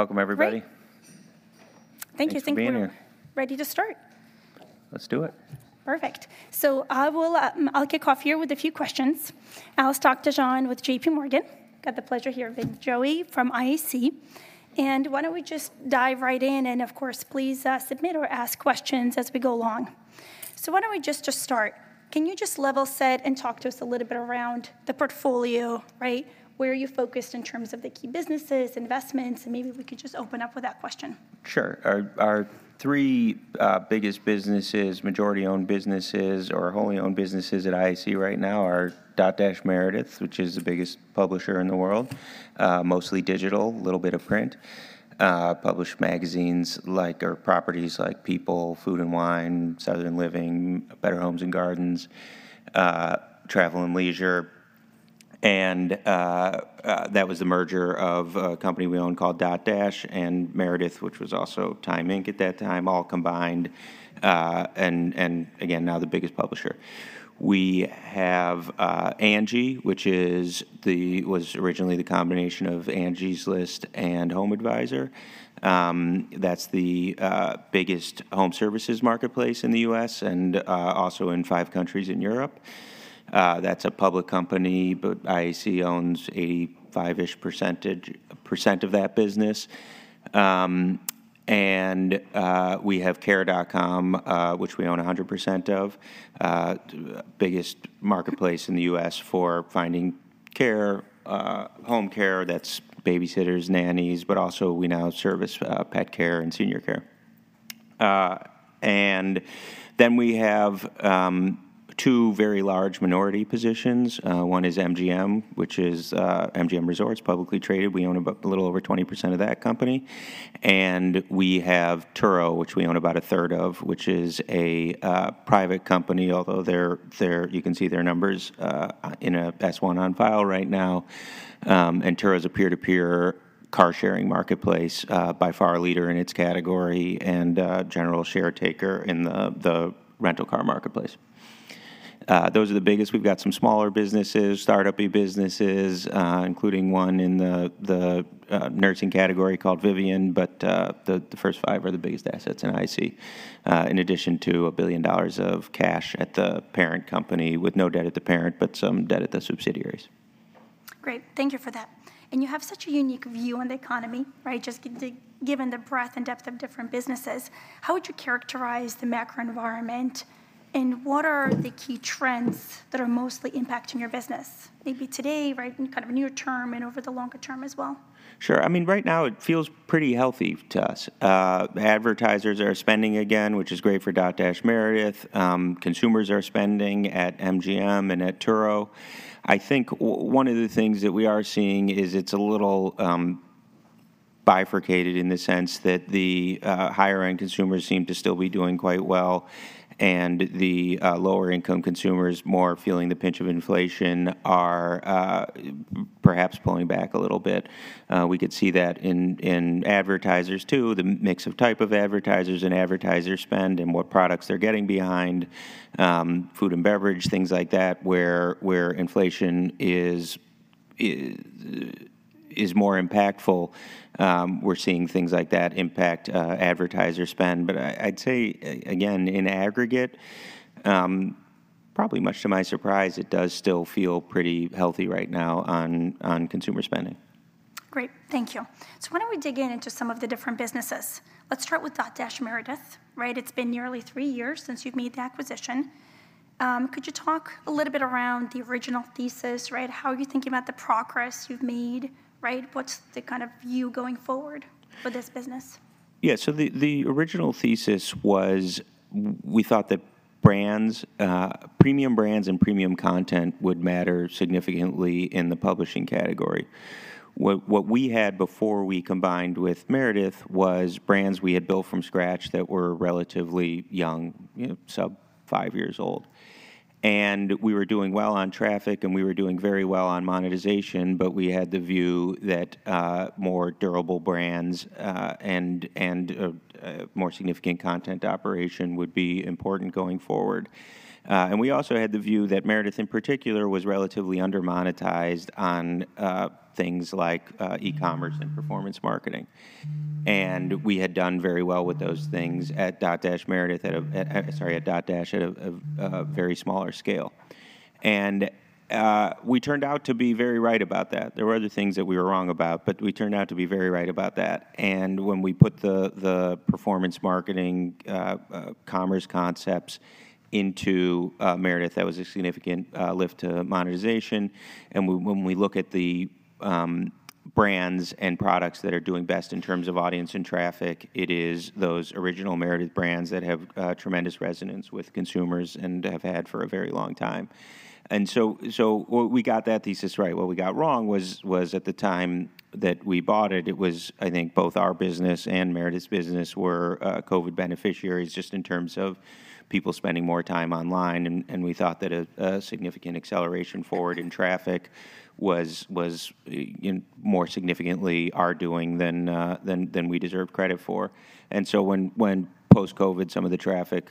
Welcome, everybody. Great. Thank you. Thanks for being here. I think we're ready to start. Let's do it. Perfect. So I will, I'll kick off here with a few questions. Alice Takhtajan with JPMorgan. Got the pleasure here with Joey from IAC. Why don't we just dive right in? Of course, please, submit or ask questions as we go along. So why don't we just, just start? Can you just level set and talk to us a little bit around the portfolio, right? Where are you focused in terms of the key businesses, investments, and maybe we could just open up with that question. Sure. Our three biggest businesses, majority-owned businesses or wholly owned businesses at IAC right now are Dotdash Meredith, which is the biggest publisher in the world, mostly digital, a little bit of print. Publish magazines like, or properties like People, Food and Wine, Southern Living, Better Homes and Gardens, Travel and Leisure, and that was the merger of a company we own called Dotdash and Meredith, which was also Time Inc. at that time, all combined, and again, now the biggest publisher. We have Angi, which was originally the combination of Angie's List and HomeAdvisor. That's the biggest home services marketplace in the U.S. and also in five countries in Europe. That's a public company, but IAC owns 85%-ish of that business. We have Care.com, which we own 100% of, the biggest marketplace in the U.S. for finding care, home care, that's babysitters, nannies, but also we now service pet care and senior care. Then we have two very large minority positions. One is MGM, which is MGM Resorts, publicly traded. We own about a little over 20% of that company. We have Turo, which we own about a third of, which is a private company, although you can see their numbers in a S-1 on file right now. Turo is a peer-to-peer car-sharing marketplace, by far a leader in its category and general share taker in the rental car marketplace. Those are the biggest. We've got some smaller businesses, startup-y businesses, including one in the nursing category called Vivian, but the first five are the biggest assets in IAC, in addition to $1 billion of cash at the parent company, with no debt at the parent, but some debt at the subsidiaries. Great. Thank you for that. And you have such a unique view on the economy, right? Just given the breadth and depth of different businesses. How would you characterize the macro environment, and what are the key trends that are mostly impacting your business? Maybe today, right, in kind of a near term and over the longer term as well. Sure. I mean, right now, it feels pretty healthy to us. Advertisers are spending again, which is great for Dotdash Meredith. Consumers are spending at MGM and at Turo. I think one of the things that we are seeing is it's a little bifurcated in the sense that the higher-end consumers seem to still be doing quite well, and the lower-income consumers, more feeling the pinch of inflation, are perhaps pulling back a little bit. We could see that in advertisers, too, the mix of type of advertisers and advertiser spend and what products they're getting behind, food and beverage, things like that, where inflation is more impactful. We're seeing things like that impact advertiser spend. But I'd say again, in aggregate, probably much to my surprise, it does still feel pretty healthy right now on consumer spending. Great. Thank you. So why don't we dig in into some of the different businesses? Let's start with Dotdash Meredith, right? It's been nearly three years since you've made the acquisition. Could you talk a little bit around the original thesis, right? How are you thinking about the progress you've made, right? What's the kind of view going forward for this business? Yeah, so the original thesis was we thought that brands, premium brands and premium content would matter significantly in the publishing category. What we had before we combined with Meredith was brands we had built from scratch that were relatively young, you know, sub five years old. And we were doing well on traffic, and we were doing very well on monetization, but we had the view that more durable brands, and, and, a more significant content operation would be important going forward. And we also had the view that Meredith, in particular, was relatively under-monetized on things like e-commerce and performance marketing. And we had done very well with those things at Dotdash Meredith, sorry, at Dotdash, at a very smaller scale. And we turned out to be very right about that. There were other things that we were wrong about, but we turned out to be very right about that. And when we put the performance marketing commerce concepts into Meredith, that was a significant lift to monetization. And when we look at the brands and products that are doing best in terms of audience and traffic, it is those original Meredith brands that have tremendous resonance with consumers and have had for a very long time. And so we got that thesis right. What we got wrong was at the time that we bought it, it was, I think, both our business and Meredith's business were COVID beneficiaries, just in terms of people spending more time online. We thought that a significant acceleration forward in traffic was more significantly our doing than we deserve credit for. So when post-COVID, some of the traffic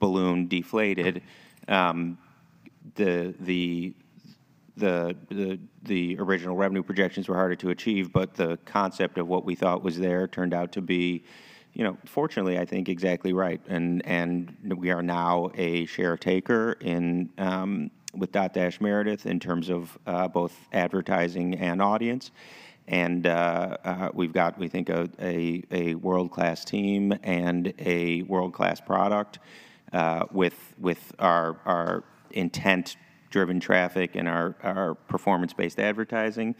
balloon deflated, the original revenue projections were harder to achieve, but the concept of what we thought was there turned out to be, you know, fortunately, I think, exactly right. And we are now a share taker in with Dotdash Meredith in terms of both advertising and audience. And we've got, we think, a world-class team and a world-class product with our intent-driven traffic and our performance-based advertising.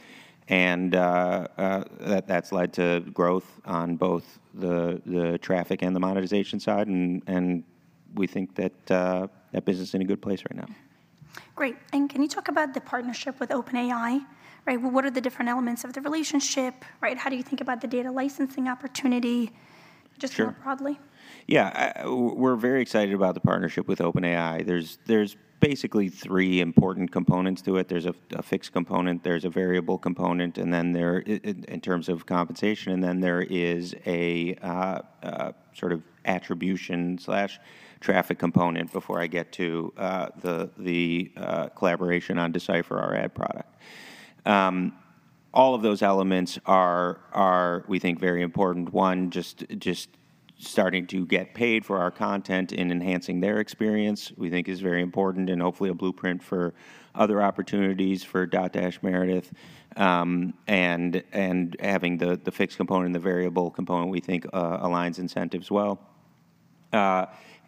That's led to growth on both the traffic and the monetization side, and we think that business is in a good place right now. Great. And can you talk about the partnership with OpenAI, right? What are the different elements of the relationship, right? How do you think about the data licensing opportunity- Sure.... just more broadly? Yeah, we're very excited about the partnership with OpenAI. There's basically three important components to it. There's a fixed component, there's a variable component, and then there in terms of compensation, and then there is a sort of attribution/traffic component before I get to the collaboration on D/Cipher, our ad product. All of those elements are, we think, very important. One, just starting to get paid for our content and enhancing their experience, we think is very important and hopefully a blueprint for other opportunities for Dotdash Meredith. And having the fixed component and the variable component, we think, aligns incentives well.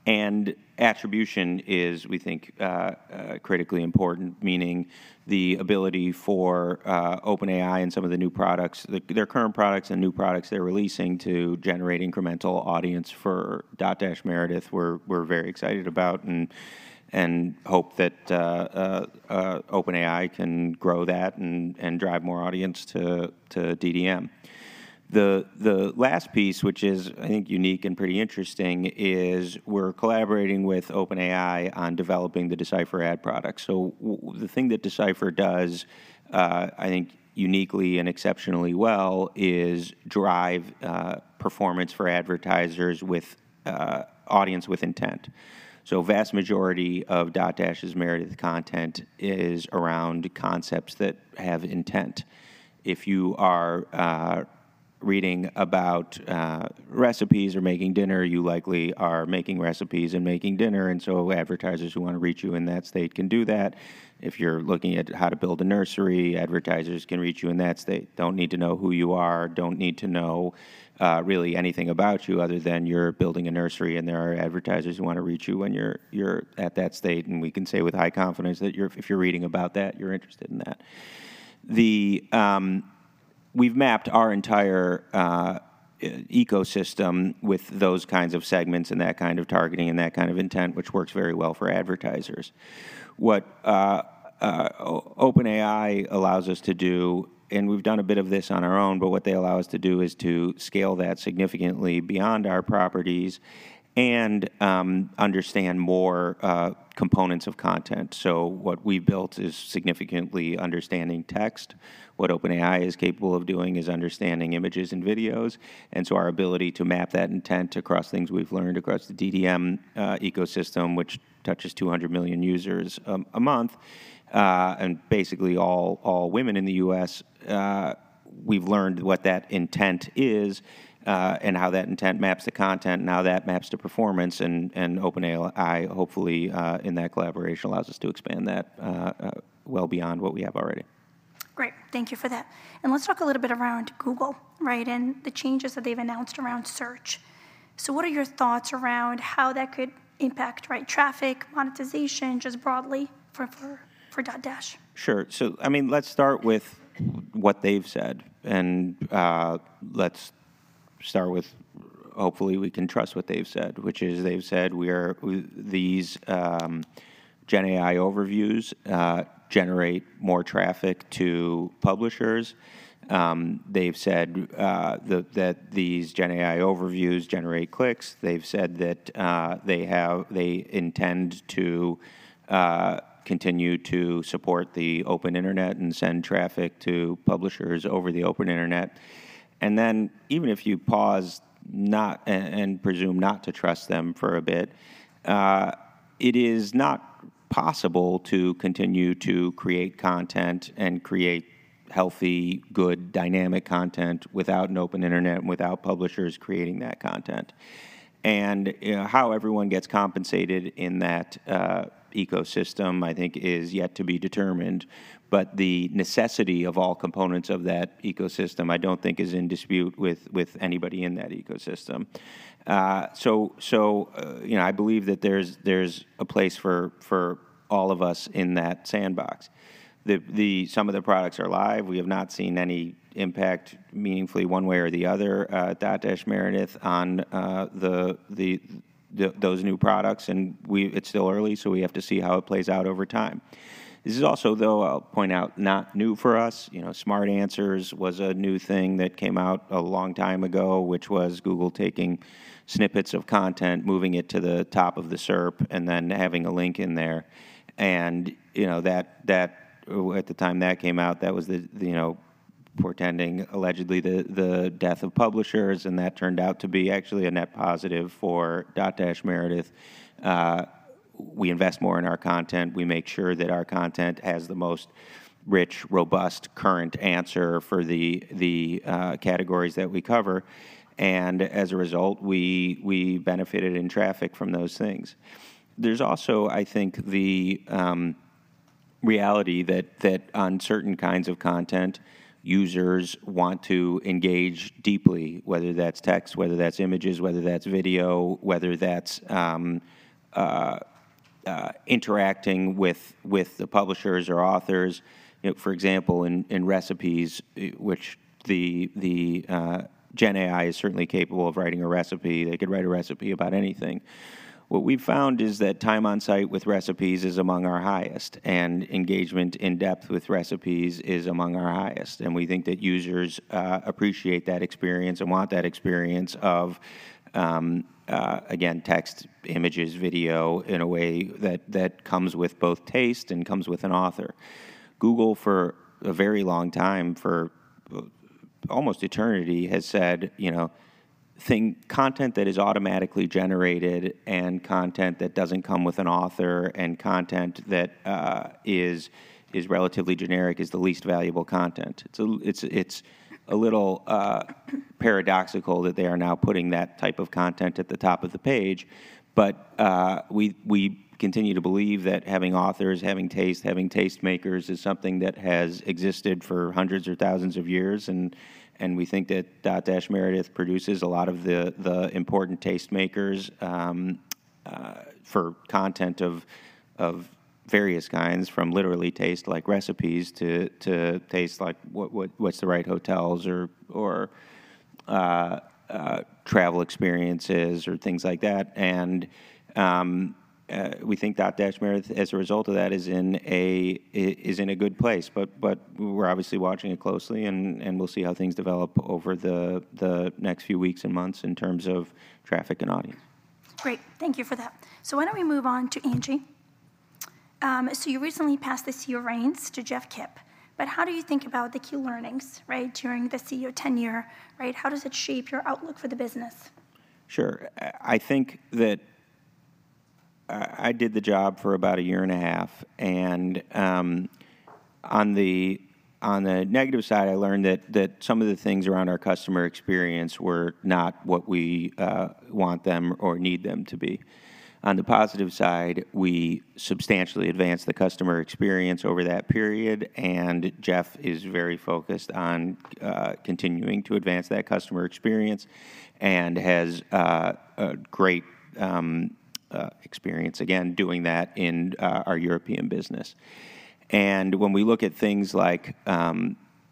And attribution is, we think, critically important, meaning the ability for OpenAI and some of the new products, their current products and new products they're releasing to generate incremental audience for Dotdash Meredith. We're very excited about, and hope that OpenAI can grow that and drive more audience to DDM. The last piece, which is, I think, unique and pretty interesting, is we're collaborating with OpenAI on developing the D/Cipher ad product. So the thing that D/Cipher does, I think, uniquely and exceptionally well, is drive performance for advertisers with audience with intent. So vast majority of Dotdash Meredith's content is around concepts that have intent. If you are reading about recipes or making dinner, you likely are making recipes and making dinner, and so advertisers who want to reach you in that state can do that. If you're looking at how to build a nursery, advertisers can reach you in that state. Don't need to know who you are, don't need to know really anything about you other than you're building a nursery, and there are advertisers who want to reach you when you're at that state, and we can say with high confidence that you're - if you're reading about that, you're interested in that. We've mapped our entire ecosystem with those kinds of segments and that kind of targeting and that kind of intent, which works very well for advertisers. What OpenAI allows us to do, and we've done a bit of this on our own, but what they allow us to do is to scale that significantly beyond our properties and understand more components of content. So what we built is significantly understanding text. What OpenAI is capable of doing is understanding images and videos, and so our ability to map that intent across things we've learned across the DDM ecosystem, which touches 200 million users a month, and basically all women in the U.S., we've learned what that intent is, and how that intent maps to content, and how that maps to performance, and OpenAI, hopefully, in that collaboration, allows us to expand that well beyond what we have already. Great. Thank you for that. And let's talk a little bit around Google, right? And the changes that they've announced around search. So what are your thoughts around how that could impact, right, traffic, monetization, just broadly for Dotdash? Sure. So, I mean, let's start with what they've said, and let's start with, hopefully, we can trust what they've said, which is they've said these GenAI overviews generate more traffic to publishers. They've said that these GenAI overviews generate clicks. They've said that they intend to continue to support the open internet and send traffic to publishers over the open internet. And then, even if you pause and presume not to trust them for a bit, it is not possible to continue to create content and create healthy, good, dynamic content without an open internet and without publishers creating that content. And how everyone gets compensated in that ecosystem, I think, is yet to be determined, but the necessity of all components of that ecosystem, I don't think is in dispute with anybody in that ecosystem. You know, I believe that there's a place for all of us in that sandbox. Some of the products are live. We have not seen any impact meaningfully one way or the other at Dotdash Meredith on those new products, and it's still early, so we have to see how it plays out over time. This is also, though, I'll point out, not new for us. You know, Smart Answers was a new thing that came out a long time ago, which was Google taking snippets of content, moving it to the top of the SERP, and then having a link in there. And, you know, that at the time that came out, that was the portending allegedly the death of publishers, and that turned out to be actually a net positive for Dotdash Meredith. We invest more in our content. We make sure that our content has the most rich, robust, current answer for the categories that we cover, and as a result, we benefited in traffic from those things. There's also, I think, the reality that on certain kinds of content, users want to engage deeply, whether that's text, whether that's images, whether that's video, whether that's interacting with the publishers or authors. You know, for example, in recipes, which the GenAI is certainly capable of writing a recipe. They could write a recipe about anything. What we've found is that time on site with recipes is among our highest, and engagement in depth with recipes is among our highest, and we think that users appreciate that experience and want that experience of again, text, images, video, in a way that comes with both taste and comes with an author. Google, for a very long time, for almost eternity, has said, you know, thin content that is automatically generated and content that doesn't come with an author and content that is relatively generic is the least valuable content. It's a little paradoxical that they are now putting that type of content at the top of the page, but we continue to believe that having authors, having taste, having tastemakers is something that has existed for hundreds or thousands of years, and we think that Dotdash Meredith produces a lot of the important tastemakers for content of various kinds, from literally taste, like recipes, to taste, like what's the right hotels or travel experiences or things like that. We think Dotdash Meredith, as a result of that, is in a good place. But we're obviously watching it closely, and we'll see how things develop over the next few weeks and months in terms of traffic and audience. Great, thank you for that. So why don't we move on to Angi? So you recently passed the CEO reins to Jeff Kip, but how do you think about the key learnings, right, during the CEO tenure, right? How does it shape your outlook for the business? Sure. I think that I did the job for about a year and a half, and on the negative side, I learned that some of the things around our customer experience were not what we want them or need them to be. On the positive side, we substantially advanced the customer experience over that period, and Jeff is very focused on continuing to advance that customer experience and has a great experience, again, doing that in our European business. And when we look at things like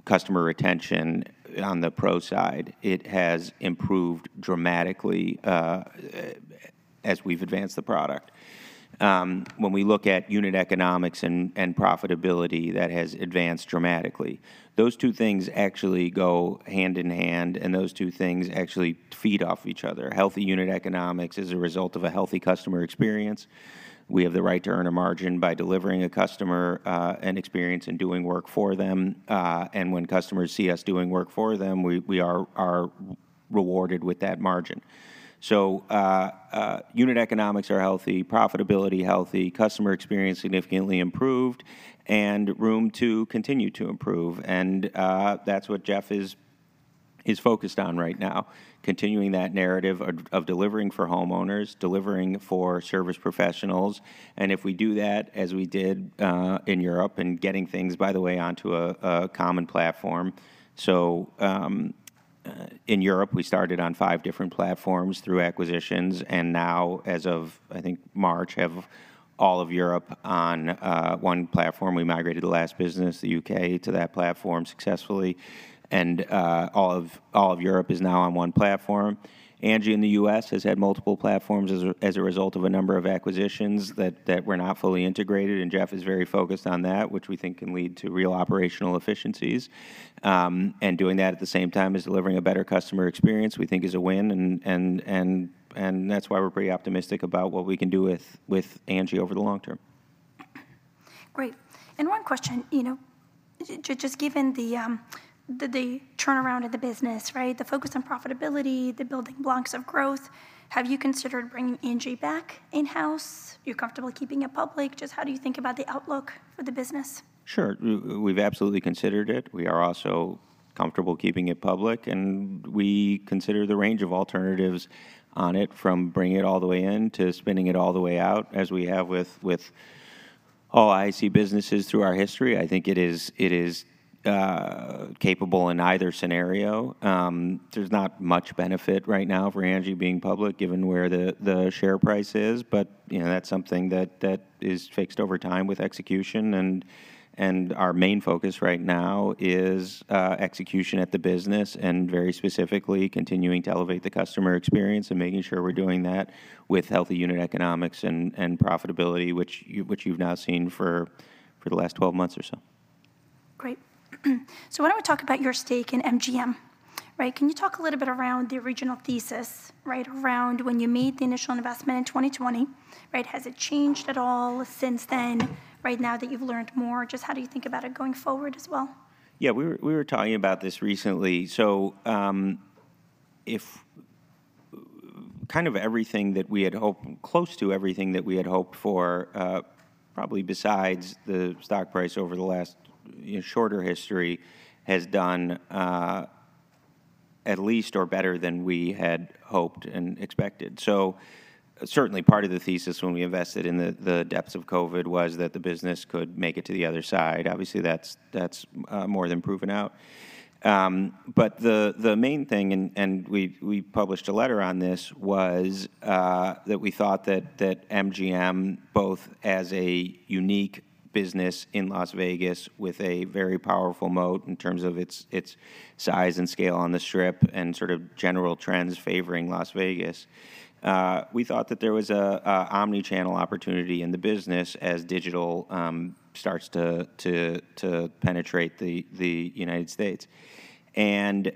customer retention on the pro side, it has improved dramatically as we've advanced the product. When we look at unit economics and profitability, that has advanced dramatically. Those two things actually go hand in hand, and those two things actually feed off each other. Healthy unit economics is a result of a healthy customer experience. We have the right to earn a margin by delivering a customer experience and doing work for them, and when customers see us doing work for them, we are rewarded with that margin. So, unit economics are healthy, profitability healthy, customer experience significantly improved, and room to continue to improve, and, that's what Jeff is focused on right now, continuing that narrative of delivering for homeowners, delivering for service professionals, and if we do that, as we did in Europe, and getting things, by the way, onto a common platform. So, in Europe, we started on five different platforms through acquisitions, and now, as of, I think March, have all of Europe on one platform. We migrated the last business, the U.K., to that platform successfully, and all of Europe is now on one platform. Angi in the U.S. has had multiple platforms as a result of a number of acquisitions that were not fully integrated, and Jeff is very focused on that, which we think can lead to real operational efficiencies. Doing that at the same time as delivering a better customer experience, we think is a win, and that's why we're pretty optimistic about what we can do with Angi over the long term. Great. And one question, you know, just given the turnaround of the business, right? The focus on profitability, the building blocks of growth, have you considered bringing Angi back in-house? You're comfortable keeping it public? Just how do you think about the outlook for the business? Sure. We've absolutely considered it. We are also comfortable keeping it public, and we consider the range of alternatives on it, from bringing it all the way in to spinning it all the way out, as we have with all IAC businesses through our history. I think it is capable in either scenario. There's not much benefit right now for Angi being public, given where the share price is, but, you know, that's something that is fixed over time with execution, and our main focus right now is execution at the business, and very specifically, continuing to elevate the customer experience and making sure we're doing that with healthy unit economics and profitability, which you've now seen for the last 12 months or so. Great. So why don't we talk about your stake in MGM? Right, can you talk a little bit around the original thesis, right? Around when you made the initial investment in 2020, right? Has it changed at all since then, right now that you've learned more? Just how do you think about it going forward as well? Yeah, we were talking about this recently. So, kind of everything that we had hoped, close to everything that we had hoped for, probably besides the stock price over the last, you know, shorter history, has done at least or better than we had hoped and expected. So certainly, part of the thesis when we invested in the depths of COVID was that the business could make it to the other side. Obviously, that's more than proven out. But the main thing, and we published a letter on this, was that we thought that MGM, both as a unique business in Las Vegas with a very powerful moat in terms of its size and scale on the Strip and sort of general trends favoring Las Vegas, we thought that there was a omni-channel opportunity in the business as digital starts to penetrate the United States. And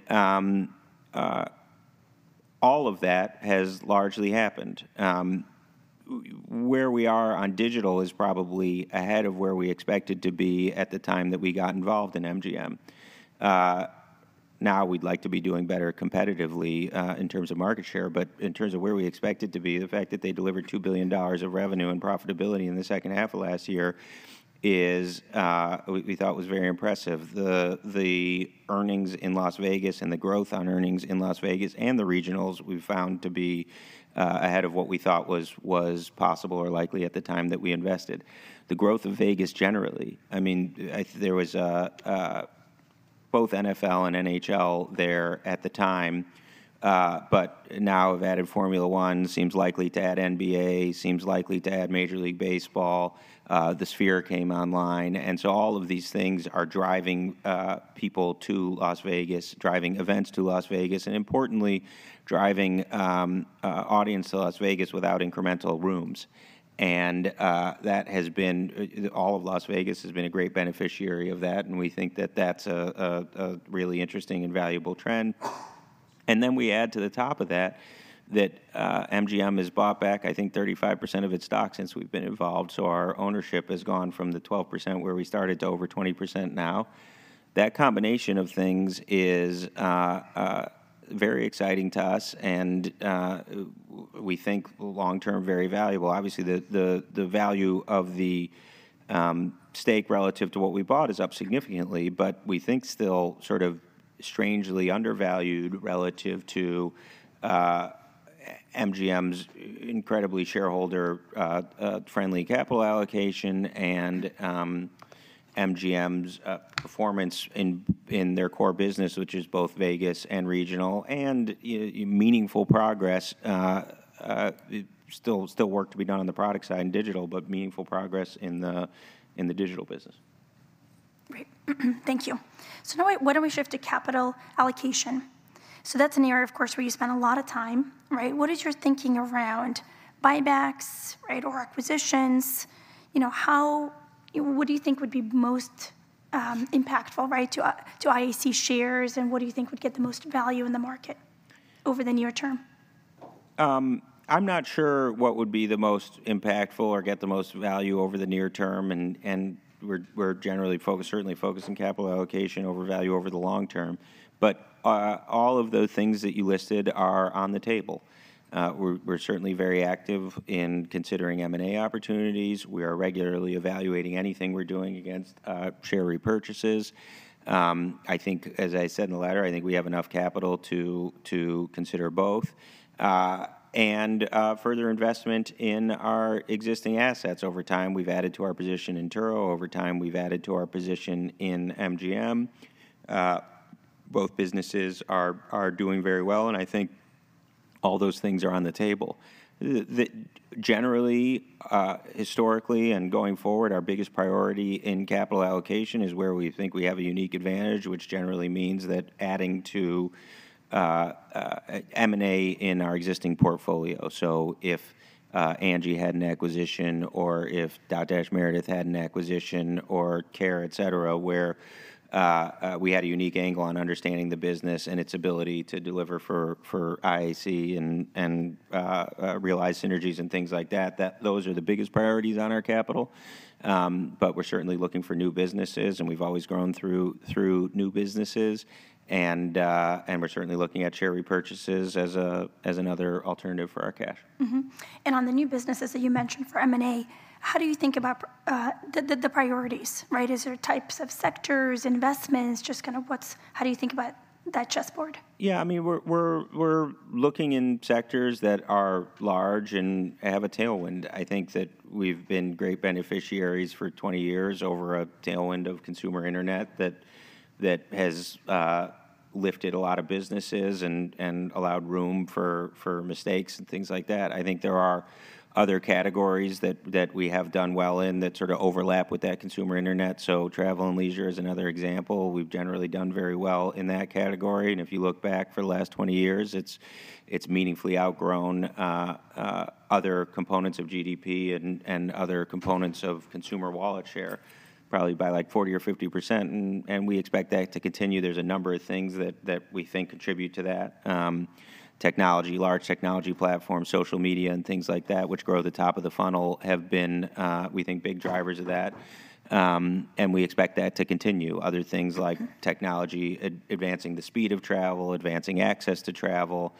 all of that has largely happened. Where we are on digital is probably ahead of where we expected to be at the time that we got involved in MGM. Now we'd like to be doing better competitively in terms of market share. But in terms of where we expected to be, the fact that they delivered $2 billion of revenue and profitability in the second half of last year is, we thought was very impressive. The earnings in Las Vegas and the growth on earnings in Las Vegas and the regionals, we found to be, ahead of what we thought was possible or likely at the time that we invested. The growth of Vegas generally, I mean, there was a both NFL and NHL there at the time, but now they've added Formula One, seems likely to add NBA, seems likely to add Major League Baseball, the Sphere came online. And so all of these things are driving, people to Las Vegas, driving events to Las Vegas, and importantly, driving audience to Las Vegas without incremental rooms. That has been all of Las Vegas has been a great beneficiary of that, and we think that that's a really interesting and valuable trend. And then we add to the top of that, that MGM has bought back, I think, 35% of its stock since we've been involved, so our ownership has gone from the 12% where we started to over 20% now. That combination of things is very exciting to us, and we think long-term, very valuable. Obviously, the value of the stake relative to what we bought is up significantly, but we think still sort of strangely undervalued relative to MGM's incredibly shareholder friendly capital allocation and MGM's performance in their core business, which is both Vegas and regional, and meaningful progress. Still work to be done on the product side in digital, but meaningful progress in the digital business. Great. Thank you. So now, why don't we shift to capital allocation? So that's an area, of course, where you spend a lot of time, right? What is your thinking around buybacks, right, or acquisitions? You know, how... What do you think would be most impactful, right, to to IAC shares, and what do you think would get the most value in the market over the near term? I'm not sure what would be the most impactful or get the most value over the near term, and we're generally focused, certainly focused on capital allocation over value over the long term. But all of the things that you listed are on the table. We're certainly very active in considering M&A opportunities. We are regularly evaluating anything we're doing against share repurchases. I think, as I said in the letter, I think we have enough capital to consider both and further investment in our existing assets. Over time, we've added to our position in Turo. Over time, we've added to our position in MGM. Both businesses are doing very well, and I think all those things are on the table. Generally, historically and going forward, our biggest priority in capital allocation is where we think we have a unique advantage, which generally means that adding to M&A in our existing portfolio. So if Angi had an acquisition or if Dotdash Meredith had an acquisition or Care, et cetera, where we had a unique angle on understanding the business and its ability to deliver for IAC and realize synergies and things like that, those are the biggest priorities on our capital. But we're certainly looking for new businesses, and we've always grown through new businesses. And we're certainly looking at share repurchases as another alternative for our cash. Mm-hmm. And on the new businesses that you mentioned for M&A, how do you think about the priorities, right? Is there types of sectors, investments, just kind of how do you think about that chess board? Yeah, I mean, we're looking in sectors that are large and have a tailwind. I think that we've been great beneficiaries for 20 years over a tailwind of consumer internet that has lifted a lot of businesses and allowed room for mistakes and things like that. I think there are other categories that we have done well in that sort of overlap with that consumer internet. So travel and leisure is another example. We've generally done very well in that category, and if you look back for the last 20 years, it's meaningfully outgrown other components of GDP and other components of consumer wallet share, probably by, like, 40% or 50%, and we expect that to continue. There's a number of things that we think contribute to that. Technology, large technology platforms, social media, and things like that, which grow the top of the funnel, have been, we think, big drivers of that. And we expect that to continue. Other things like technology advancing the speed of travel, advancing access to travel,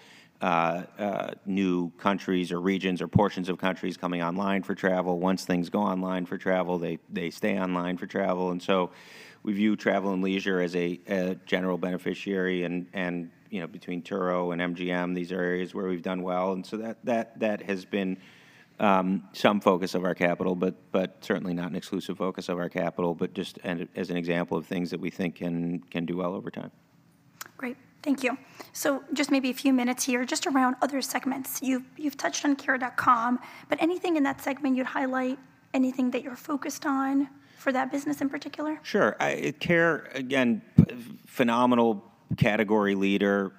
new countries or regions or portions of countries coming online for travel. Once things go online for travel, they stay online for travel. And so we view travel and leisure as a general beneficiary and, you know, between Turo and MGM, these are areas where we've done well. And so that has been some focus of our capital, but certainly not an exclusive focus of our capital, but just as an example of things that we think can do well over time. Great. Thank you. So just maybe a few minutes here, just around other segments. You've, you've touched on Care.com, but anything in that segment you'd highlight? Anything that you're focused on for that business in particular? Sure. Care, again, phenomenal category leader,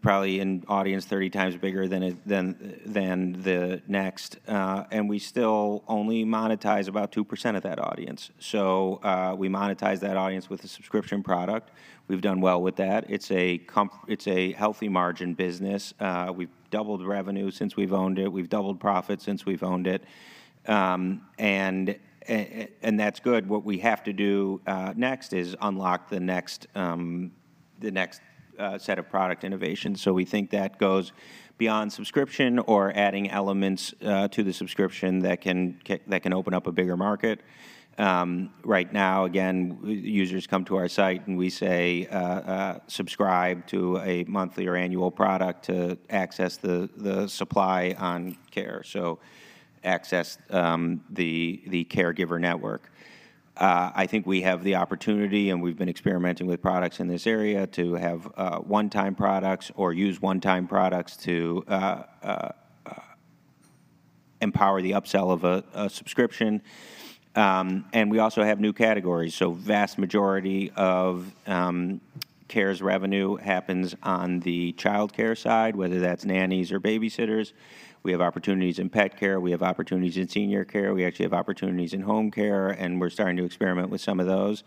probably an audience 30 times bigger than the next. And we still only monetize about 2% of that audience. So, we monetize that audience with a subscription product. We've done well with that. It's a healthy margin business. We've doubled revenue since we've owned it. We've doubled profit since we've owned it. And that's good. What we have to do next is unlock the next set of product innovations. So we think that goes beyond subscription or adding elements to the subscription that can open up a bigger market. Right now, again, users come to our site, and we say, "Subscribe to a monthly or annual product to access the supply on Care." So access the caregiver network. I think we have the opportunity, and we've been experimenting with products in this area, to have one-time products or use one-time products to empower the upsell of a subscription. And we also have new categories. So vast majority of Care's revenue happens on the childcare side, whether that's nannies or babysitters. We have opportunities in pet care, we have opportunities in senior care, we actually have opportunities in home care, and we're starting to experiment with some of those.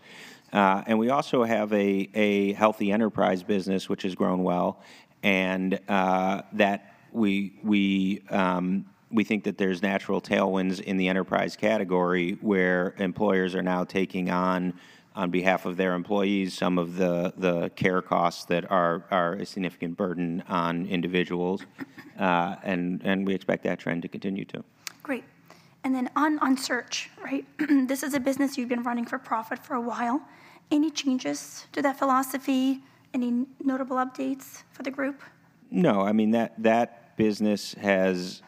And we also have a healthy enterprise business, which has grown well, that we think that there's natural tailwinds in the enterprise category, where employers are now taking on behalf of their employees some of the care costs that are a significant burden on individuals. And we expect that trend to continue, too. Great. Then on Search, right? This is a business you've been running for profit for a while. Any changes to that philosophy? Any notable updates for the group? No, I mean, that business has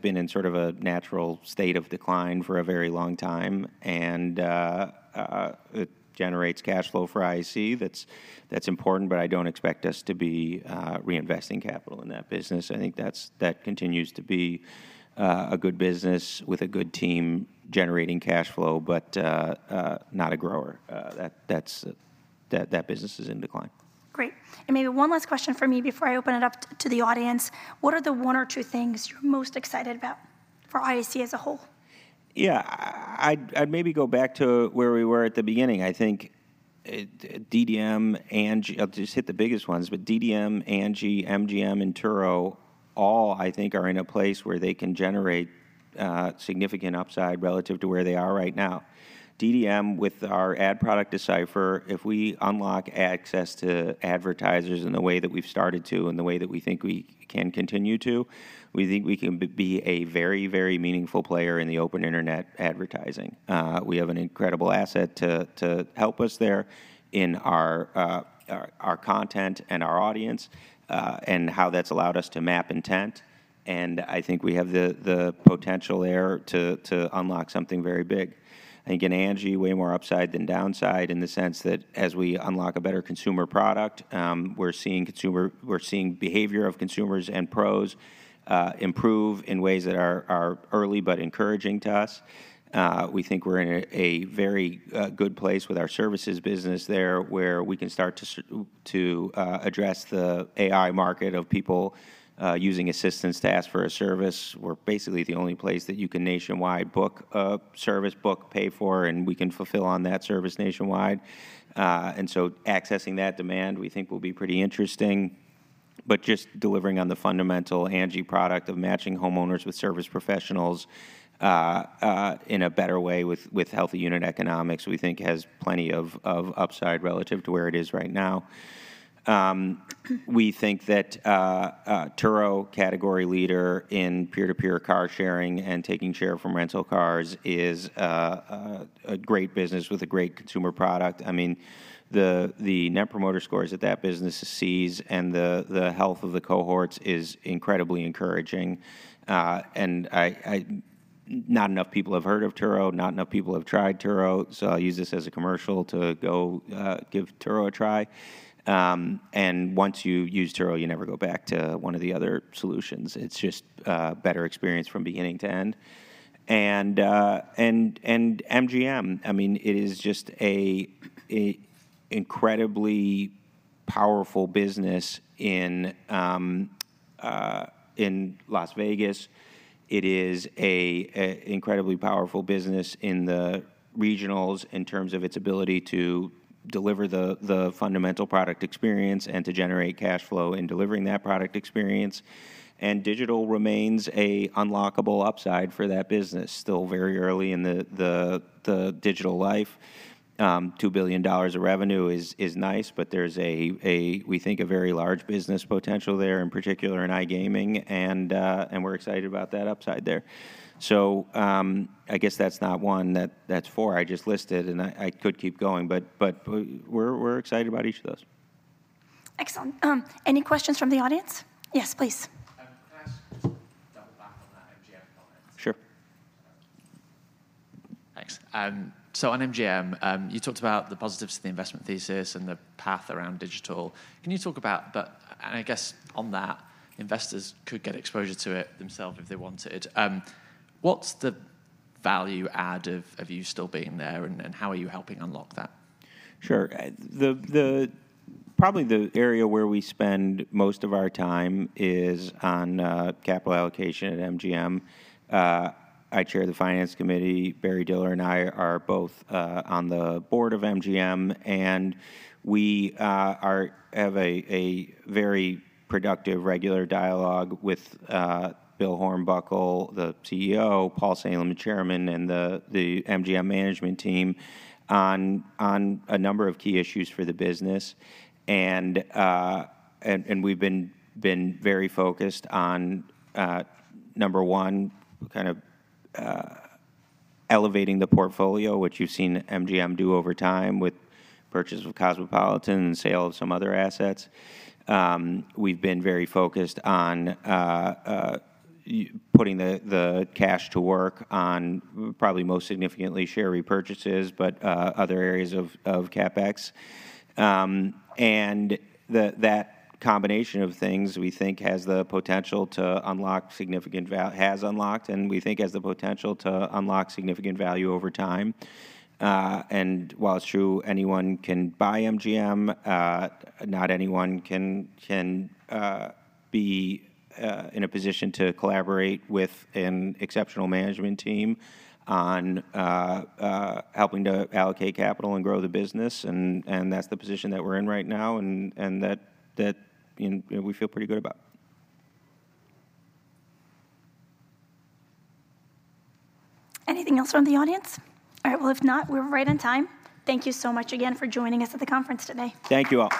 been in sort of a natural state of decline for a very long time, and it generates cash flow for IAC. That's important, but I don't expect us to be reinvesting capital in that business. I think that continues to be a good business with a good team generating cash flow, but not a grower. That business is in decline. Great. And maybe one last question from me before I open it up to the audience: What are the one or two things you're most excited about for IAC as a whole? Yeah, I'd maybe go back to where we were at the beginning. I think, DDM, Angi... I'll just hit the biggest ones, but DDM, Angi, MGM, and Turo, all, I think, are in a place where they can generate significant upside relative to where they are right now. DDM, with our ad product, D/Cipher, if we unlock access to advertisers in the way that we've started to and the way that we think we can continue to, we think we can be a very, very meaningful player in the open internet advertising. We have an incredible asset to help us there in our content and our audience, and how that's allowed us to map intent, and I think we have the potential there to unlock something very big. Again, Angi, way more upside than downside in the sense that, as we unlock a better consumer product, we're seeing behavior of consumers and pros improve in ways that are early but encouraging to us. We think we're in a very good place with our services business there, where we can start to address the AI market of people using assistants to ask for a service. We're basically the only place that you can nationwide book a service, pay for, and we can fulfill on that service nationwide. And so accessing that demand, we think, will be pretty interesting. But just delivering on the fundamental Angi product of matching homeowners with service professionals in a better way with healthy unit economics, we think, has plenty of upside relative to where it is right now. We think that Turo, category leader in peer-to-peer car sharing and taking share from rental cars, is a great business with a great consumer product. I mean, the Net Promoter Scores that that business sees and the health of the cohorts is incredibly encouraging. And not enough people have heard of Turo, not enough people have tried Turo, so I'll use this as a commercial to go give Turo a try. And once you use Turo, you never go back to one of the other solutions. It's just a better experience from beginning to end. And MGM, I mean, it is just an incredibly powerful business in Las Vegas. It is an incredibly powerful business in the regionals in terms of its ability to deliver the fundamental product experience and to generate cash flow in delivering that product experience. And digital remains an unlockable upside for that business, still very early in the digital life. $2 billion of revenue is nice, but there's a we think, a very large business potential there, in particular in iGaming, and we're excited about that upside there. So, I guess that's not one, that's four I just listed, and I could keep going, but we're excited about each of those. Excellent. Any questions from the audience? Yes, please. Can I just double back on that MGM comment? Sure. Thanks. So on MGM, you talked about the positives of the investment thesis and the path around digital. Can you talk about, and I guess on that, investors could get exposure to it themselves if they wanted. What's the value add of you still being there, and how are you helping unlock that? Sure. Probably the area where we spend most of our time is on capital allocation at MGM. I chair the finance committee. Barry Diller and I are both on the board of MGM, and we have a very productive, regular dialogue with Bill Hornbuckle, the CEO, Paul Salem, the chairman, and the MGM management team on a number of key issues for the business. We've been very focused on number one, kind of, elevating the portfolio, which you've seen MGM do over time with purchase of Cosmopolitan and sale of some other assets. We've been very focused on putting the cash to work on, probably most significantly, share repurchases, but other areas of CapEx. That combination of things we think has the potential to unlock significant val-has unlocked, and we think has the potential to unlock significant value over time. And while it's true anyone can buy MGM, not anyone can be in a position to collaborate with an exceptional management team on helping to allocate capital and grow the business. And that's the position that we're in right now, and you know, we feel pretty good about. Anything else from the audience? All right, well, if not, we're right on time. Thank you so much again for joining us at the conference today. Thank you, all.